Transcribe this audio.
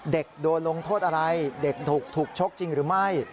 เด็กโดนลงโทษอะไรเด็กถูกชกจริงหรือไม่